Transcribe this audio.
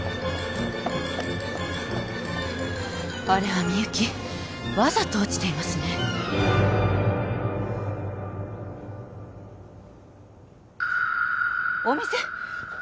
あれはみゆきわざと落ちていますねお店！